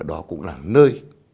đó cũng là nơi